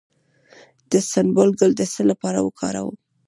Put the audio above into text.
د سنبل ګل د څه لپاره وکاروم؟